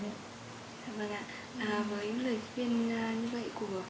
vâng ạ với lời khuyên như vậy của